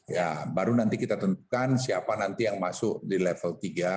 ya baru nanti kita tentukan siapa nanti yang masuk di level tiga